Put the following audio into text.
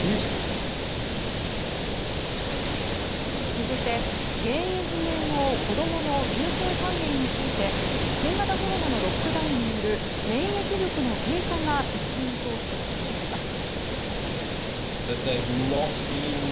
続いて、原因不明の子供の急性肝炎について新型コロナのロックダウンによる免疫力の低下が一因と指摘されています。